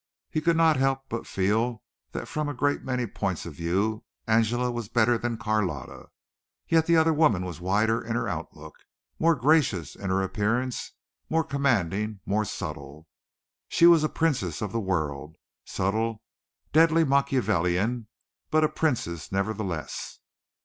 He could not help but feel that from a great many points of view Angela was better than Carlotta. Yet the other woman was wider in her outlook, more gracious in her appearance, more commanding, more subtle. She was a princess of the world, subtle, deadly Machiavellian, but a princess nevertheless.